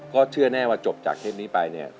เพราะเชื่อแน่ว่าจบจากเทปนี้ไปเนี่ย